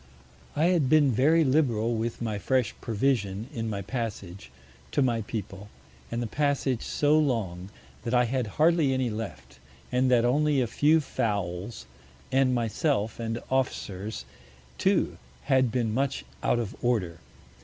I had been very liberal with my fresh Provision in my Passage, to my People, and the Passage so long, that I had hardly any left, and that only a few Fowls; and myself and Officers too had been much out of Order.